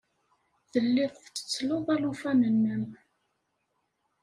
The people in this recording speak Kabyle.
Telliḍ tettettleḍ alufan-nnem.